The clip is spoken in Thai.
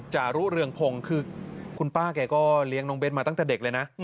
จารุเรืองพงศ์คือคุณป้าแกก็เลี้ยงน้องเบ้นมาตั้งแต่เด็กเลยนะ